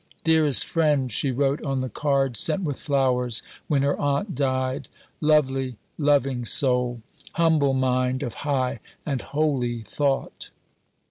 "Dearest friend," she wrote on the card sent with flowers when her aunt died; "lovely, loving soul; humble mind of high and holy thought."